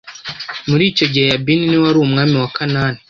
Muri icyo gihe Yabini ni we wari umwami wa Kanani.